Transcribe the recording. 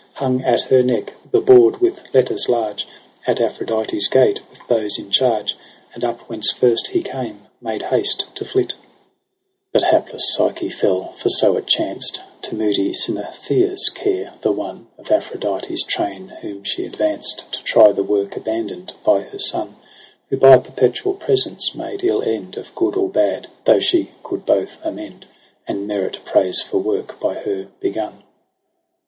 Hung at her neck, the board with letters large. At Aphrodite's gate with those in charge ; And up whence first he came made haste to flit. NOVEMBER ijy i8 But hapless Psyche fell, for so it chanced. To moody Synethea's care, the one Of Aphrodite's train whom she advanced To try the work abandoned by her son. Who by perpetual presence made ill end Of good or bad j though she coud both amend. And merit praise for work by her begun.